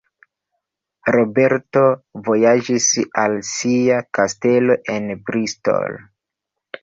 Roberto vojaĝis al sia kastelo en Bristol.